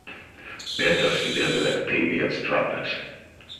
Это следует приветствовать.